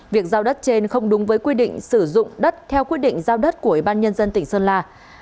việc giao đất trên không đúng với quy định sử dụng đất theo quyết định giao đất của ủy ban nhân dân tỉnh sơn la